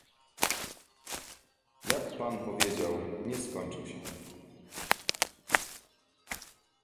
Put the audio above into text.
Jak pan powiedział, nie skończył się